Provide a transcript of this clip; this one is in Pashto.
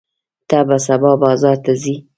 ته به سبا بازار ته ځې؟